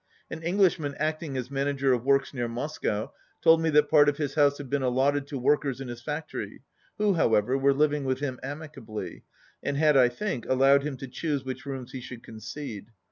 An Englishman acting as manager of works near Moscow told me that part of his house had been allotted to workers in his factory, who, however, were living with him amicably, and had, I think, allowed him to choose which rooms he should concede.